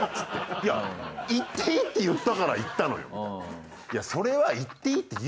いや行っていいって言ったから行ったのよ。